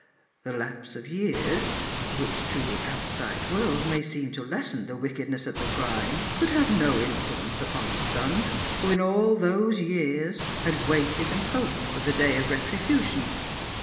The lapse oi years, which to the outside world may seem to lessen the wickedness of the crime, could have no influence upon the son who in all those years had waited and hoped for the day of retribution.